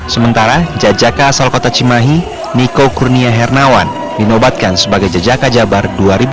sementara jjk asal kota cibahi niko kurnia hernawan dinobatkan sebagai jjk jabar dua ribu delapan belas